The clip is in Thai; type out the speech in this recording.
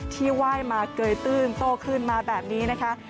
ไหว้มาเกยตื้นโตขึ้นมาแบบนี้นะคะ